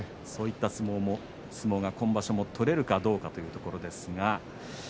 そういった相撲が今場所も取れるかどうかというところです。